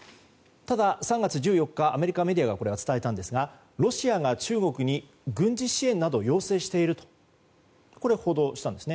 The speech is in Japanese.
ただ、３月１４日アメリカメディアが伝えたんですがロシアが中国に軍事支援などを要請していると報道したんです。